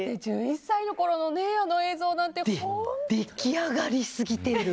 １１歳のころの映像なんて出来上がりすぎてる。